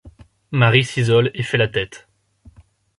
Marie s'isole et fait la tête.